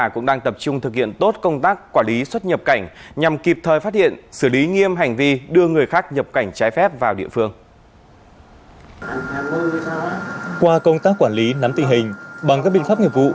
qua công tác quản lý nắm tình hình bằng các biện pháp nghiệp vụ